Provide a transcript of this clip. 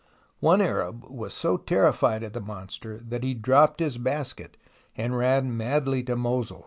One Arab was so terrified of the monster that he dropped his basket and ran madly to Mosul.